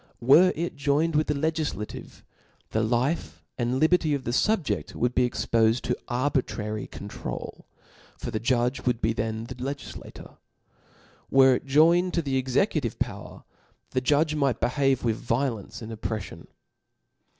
Were it joined with the legUtative, the Kfe^ and li berty of the fubjeft wouhibe expofed to arbitrary controul i for the judge would be then the legtlla tor. Were it joined to the executive power, the judge m^ht behave with vioIeoQe and oppreOion.